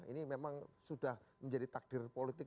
ini memang sudah menjadi takdir politik